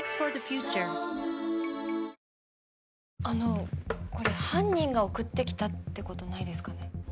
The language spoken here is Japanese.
あのこれ犯人が送って来たってことないですかね？